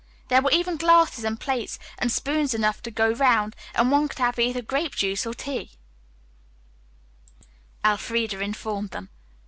There were even glasses and plates and spoons enough to go round and one could have either grape juice or tea, Elfreda informed them.